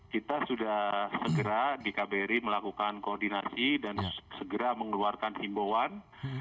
kita sudah segera di kbri melakukan koordinasi dan segera mengeluarkan imbauan